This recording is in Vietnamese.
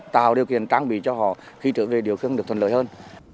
tạo điều kiện trang bị cho họ khi trở về điều kiện được thuận lợi hơn